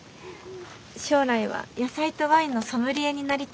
将来は野菜とワインのソムリエになりたいと思っています。